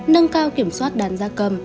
nâng cao kiểm soát đán da cầm